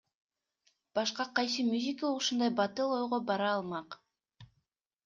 Башка кайсы мюзикл ушундай батыл ойго бара алмак?